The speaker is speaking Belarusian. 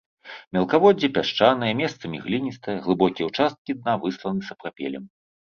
Мелкаводдзе пясчанае, месцамі гліністае, глыбокія ўчасткі дна высланы сапрапелем.